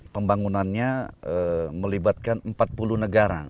pembangunannya melibatkan empat puluh negara